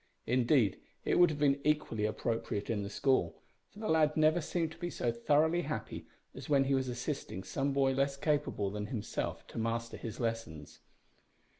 Indeed it would have been equally appropriate in the school, for the lad never seemed to be so thoroughly happy as when he was assisting some boy less capable than himself to master his lessons.